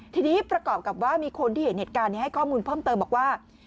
ทีนี้ประกอบกับว่ามีคนที่เห็นเหตุการณ์ให้ข้อมูลเพิ่มเติมบอกว่า